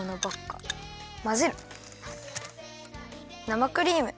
生クリーム。